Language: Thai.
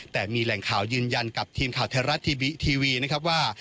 แต่มีแหล่งข่ายืนยันกับทีมข่าวธรรมราชทีวีนะครับว่า